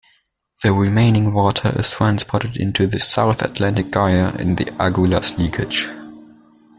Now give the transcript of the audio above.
The remaining water is transported into the South Atlantic Gyre in the Agulhas Leakage.